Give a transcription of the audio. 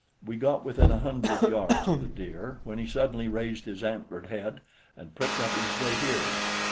We got within a hundred yards of the deer when he suddenly raised his antlered head and pricked up his great ears.